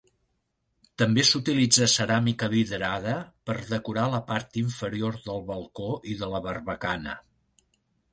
També s'utilitza ceràmica vidrada per decorar la part inferior del balcó i de la barbacana.